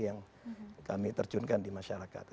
yang kami terjunkan di masyarakat